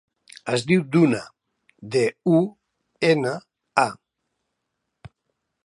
Es diu Duna: de, u, ena, a.